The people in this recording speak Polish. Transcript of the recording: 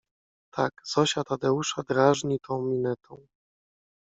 Tak Zosia Tadeusza drażni tą minetą.